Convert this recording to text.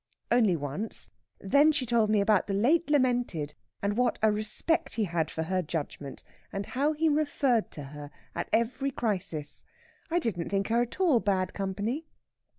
"Only once. Then she told me about the late lamented, and what a respect he had for her judgment, and how he referred to her at every crisis. I didn't think her at all bad company."